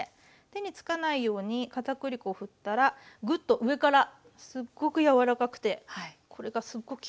手につかないようにかたくり粉をふったらグッと上からすっごく柔らかくてこれがすっごく気持ちいいですね。